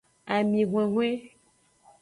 Ami hwenhwen.